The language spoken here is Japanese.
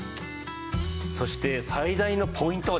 そして最大のポイントはですね